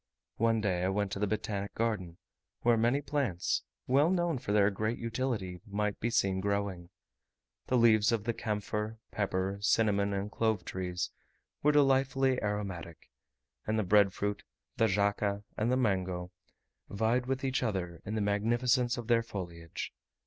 One day I went to the Botanic Garden, where many plants, well known for their great utility, might be seen growing. The leaves of the camphor, pepper, cinnamon, and clove trees were delightfully aromatic; and the bread fruit, the jaca, and the mango, vied with each other in the magnificence of their foliage.